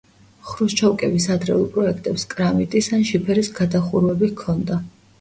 ხრუშჩოვკების ადრეულ პროექტებს კრამიტის ან შიფერის გადახურვები ჰქონდა.